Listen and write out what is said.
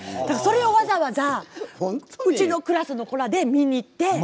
だからそれをわざわざうちのクラスの子らで見に行って。